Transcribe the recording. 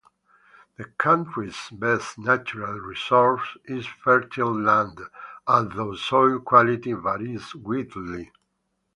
The country's best natural resource is fertile land, although soil quality varies greatly.